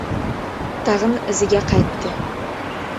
Tag‘in iziga qaytdi.